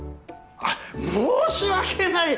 あっ申し訳ない。